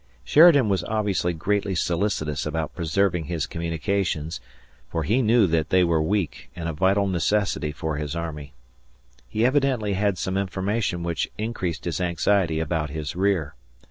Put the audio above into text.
Sheridan was obviously greatly solicitous about preserving his communications, for he knew that they were weak and a vital necessity for his army He evidently had some information which increased his anxiety about his rear.